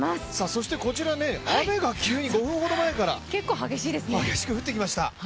そして、こちらは雨が急に５分ほど前から激しく降ってきました。